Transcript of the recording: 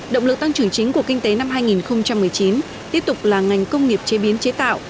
động lực tăng trưởng chính của kinh tế năm hai nghìn một mươi chín tiếp tục là ngành công nghiệp chế biến chế tạo